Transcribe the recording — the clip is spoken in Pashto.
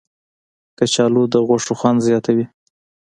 کچالو د غوښو خوند زیاتوي